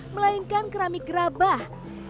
melainkan keramik gerabah